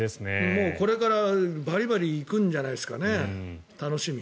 もうこれからバリバリ行くんじゃないですかね楽しみ。